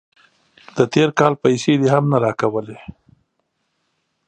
د تیر کال پیسې دې هم نه راکولې.